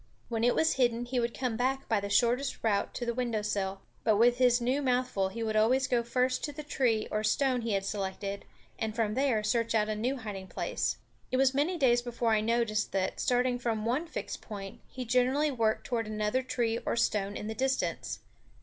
When it was hidden he would come back by the shortest route to the windowsill; but with his new mouthful he would always go first to the tree or stone he had selected, and from there search out a new hiding place. It was many days before I noticed that, starting from one fixed point, he generally worked toward another tree or stone in the distance.